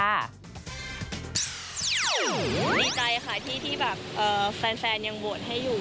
ดีใจค่ะที่แบบแฟนยังโหวตให้อยู่